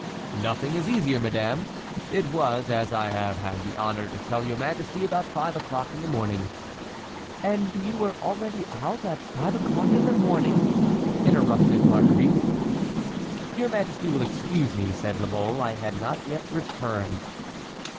"Nothing is easier, madame. It was, as I have had the honor to tell your majesty, about five o'clock in the morning." "And you were already out at five o'clock in the morning?" interrupted Marguerite. "Your majesty will excuse me," said La Mole, "I had not yet returned."